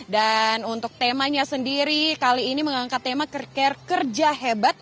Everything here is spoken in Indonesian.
dan untuk temanya sendiri kali ini mengangkat tema kerja hebat